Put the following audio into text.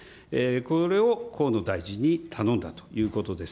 これを河野大臣に頼んだということです。